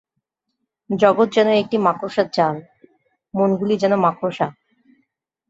জগৎ যেন একটি মাকড়সার জাল, মনগুলি যেন মাকড়সা।